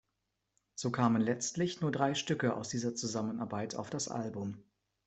So kamen letztlich nur drei Stücke aus dieser Zusammenarbeit auf das Album.